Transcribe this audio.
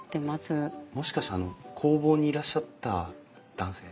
もしかしてあの工房にいらっしゃった男性？